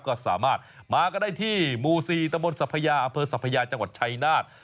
ก็สามารถมาก็ได้ที่หมู่๔ตมสัพพยาอสัพพยาจังหวัดชัยนาฏ